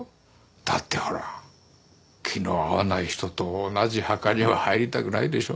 だってほら気の合わない人と同じ墓には入りたくないでしょう？